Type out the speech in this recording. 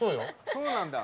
そうなんだ。